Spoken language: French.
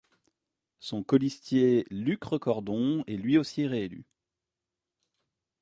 Son colistier Luc Recordon est lui aussi réélu.